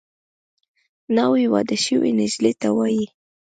ناوې واده شوې نجلۍ ته وايي